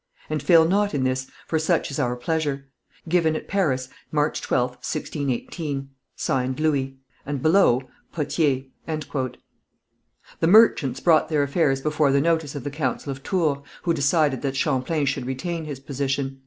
And fail not in this, for such is our pleasure. Given at Paris March 12th, 1618. (Signed) "Louis." (And below) "Potier." The merchants brought their affairs before the notice of the Council of Tours, who decided that Champlain should retain his position.